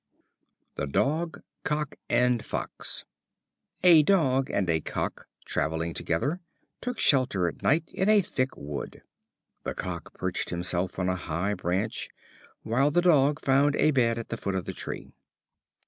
The Dog, Cock and Fox. A Dog and a Cock, traveling together, took shelter at night in a thick wood. The Cock perched himself on a high branch, while the Dog found a bed at the foot of the tree.